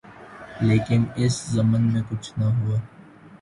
لیکن اس ضمن میں کچھ نہ ہوا